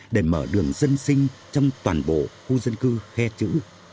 để mở đường dân sinh trong toàn bộ khu dân cư khe chữ